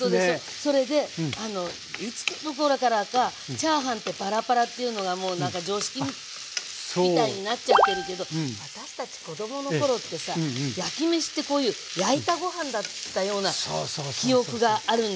それでいつのころからかチャーハンってパラパラッというのがもう常識みたいになっちゃってるけど私たち子供の頃ってさ焼きめしってこういう焼いたご飯だったような記憶があるのよね。